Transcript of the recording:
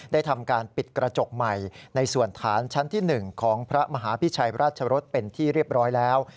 ได้ทำการปิดกระจกใหม่ในส่วนฐานชั้นที่๑ของพระมหาพิชัยราชรสเป็นที่เรียบร้อยแล้ว